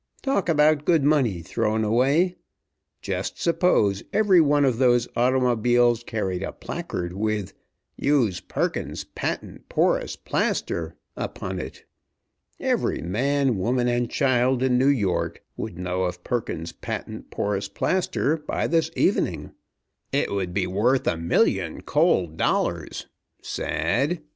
Talk about good money thrown away! Just suppose every one of those automobiles carried a placard with 'Use Perkins's Patent Porous Plaster,' upon it! Every man, woman, and child in New York would know of Perkins's Patent Porous Plaster by this evening! It would be worth a million cold dollars! Sad?